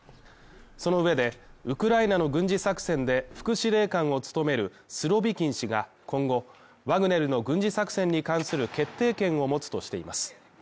その上で、ウクライナの軍事作戦で副司令官を務めるスロビキン氏が今後ワグネルの軍事作戦に関する決定権を持つとしています。